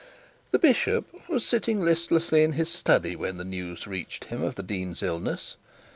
The bishop was sitting listlessly in his study when the news reached him of the dean's illness.